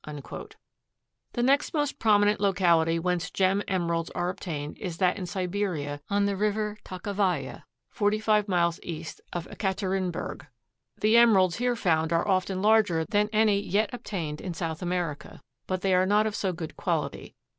The next most prominent locality whence gem emeralds are obtained is that in Siberia on the river Tokovoya, forty five miles east of Ekaterinburg. The emeralds here found are often larger than any yet obtained in South America, but they are not of so good quality.